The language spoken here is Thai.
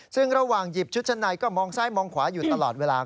ซึ่งระหว่างหยิบชุดชั้นในก็มองซ้ายมองขวาอยู่ตลอดเวลา